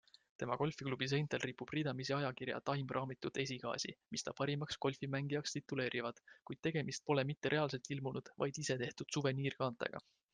Tema golfiklubide seintel ripub ridamisi ajakirja Time raamitud esikaasi, mis ta parimaks golfimängijaks tituleerivad, kuid tegemist pole mitte reaalselt ilmunud, vaid ise tehtud suveniirkaantega.